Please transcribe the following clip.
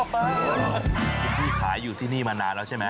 พี่ขายอยู่ที่นี่มานานแล้วใช่ไหม